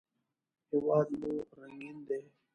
هېواد مو رنګین دی